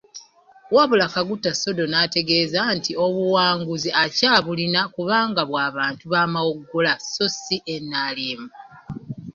Wabula Kaguta Sodo n'ategeeza nti obuwanguzi akyabulina kubanga bw'abantu ba Mawogola so si NRM.